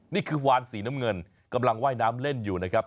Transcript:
นี่คือวานสีน้ำเงินกำลังว่ายน้ำเล่นอยู่นะครับ